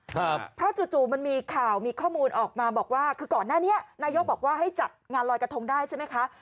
ครับเพราะจู่จู่มันมีข่าวมีข้อมูลออกมาบอกว่าคือก่อนหน้านี้นายกบอกว่าให้จัดงานลอยกระทงได้ใช่ไหมคะ